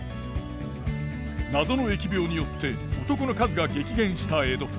謎の疫病によって男の数が激減した江戸。